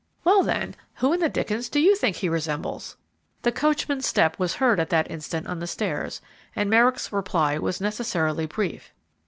Well, then, who in the dickens do you think he resembles?" The coachman's step was heard at that instant on the stairs, and Merrick's reply was necessarily brief.